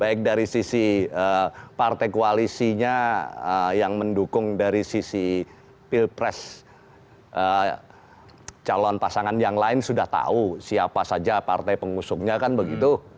baik dari sisi partai koalisinya yang mendukung dari sisi pilpres calon pasangan yang lain sudah tahu siapa saja partai pengusungnya kan begitu